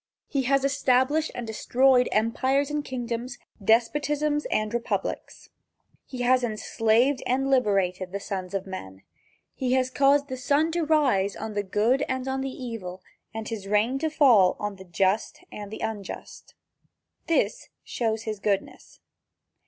He has established and destroyed empires and kingdoms, despotisms and republics. He has enslaved and liberated the sons of men. He has caused the sun to rise on the good and on the evil, and his rain to fall on the just and the unjust. This shows his goodness.